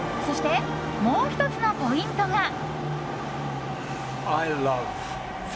そして、もう１つのポイントが。